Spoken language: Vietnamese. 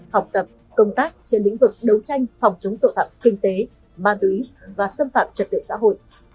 học tập công tác trên lĩnh vực đấu tranh phòng chống tội phạm kinh tế ma túy và xâm phạm trật tự xã hội